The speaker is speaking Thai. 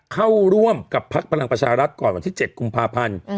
เข้าร่วมกับพักพลังประชารัฐก่อนวันที่๗กุมภาพันธ์